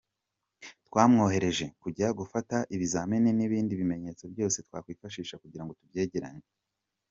Twamwohereje kujya gufata ibizame n’ibindi bimenyetso byose twakwifashisha, kugira ngo tubyegeranye.